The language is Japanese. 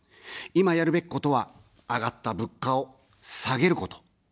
今やるべきことは、上がった物価を下げること。